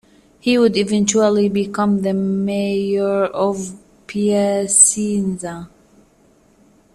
He would eventually become the mayor of Piacenza.